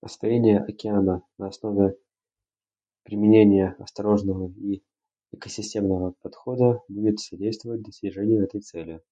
Освоение океана на основе применения осторожного и экосистемного подхода будет содействовать достижению этой цели.